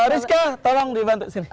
rizka tolong dibantu sini